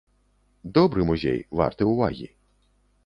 Добры музей, варты ўвагі.